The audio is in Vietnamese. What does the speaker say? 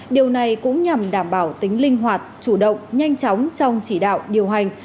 điều này cũng nhằm đảm bảo tính linh hoạt chủ động nhanh chóng trong chỉ đạo điều hành